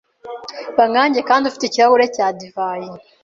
Ba nkanjye kandi ufite ikirahure cya divayi.